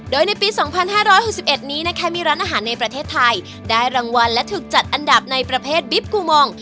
โดยในปี๒๕๖๑นี้นะคะมีร้านอาหารในประเทศไทยได้รางวัลและถูกจัดอันดับในประเภทบิ๊บกูมอง